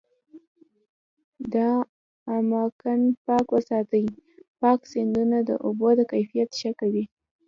دا اماکن پاک وساتي، پاک سیندونه د اوبو کیفیت ښه کوي.